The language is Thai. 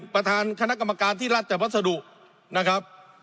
ประธานคณะกรรมการที่รัฐจัดภัดสะดุนะครับ